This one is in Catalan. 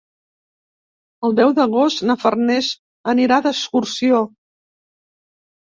El deu d'agost na Farners anirà d'excursió.